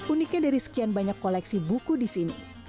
uniknya dari sekian banyak koleksi buku di sini